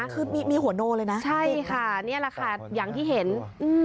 คือมีมีหัวโนเลยนะใช่ค่ะนี่แหละค่ะอย่างที่เห็นอืม